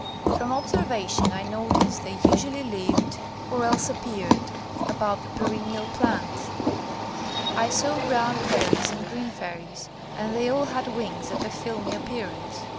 From observation I notice they usu ally lived or else appeared about the peren nial plants. I saw brown fairies and green fairies, and they all had wings of a filmy 161 THE COMING OF THE FAIRIES appearance.